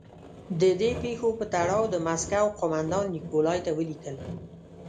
د دې پېښو په تړاو د مسکو قومندان نیکولای ته ولیکل.